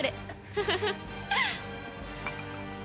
フフフッ！